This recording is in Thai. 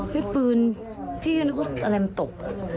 พี่ปืนพี่ก็นึกว่าตาแรมตก